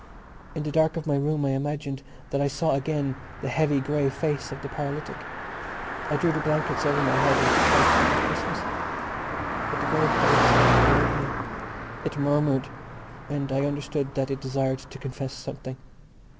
In the dark of my room I imagined that I saw again the heavy grey face of the paralytic. I drew the blankets over my head and tried to think of Christmas. But the grey face still followed me. It murmured; and I understood that it desired to confess something.